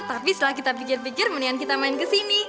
tapi setelah kita pikir pikir mendingan kita main kesini